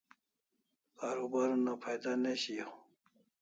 Karubar una phaida ne shiau